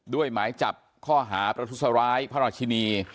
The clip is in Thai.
หมายจับข้อหาประทุษร้ายพระราชินี